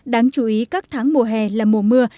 đáng chú ý các tháng mùa hè là mùa mưa